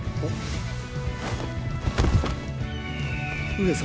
上様！